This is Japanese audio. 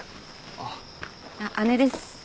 あっ姉です。